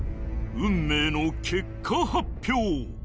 運命の結果発表